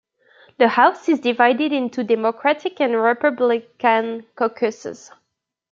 The House is divided into Democratic and Republican caucuses.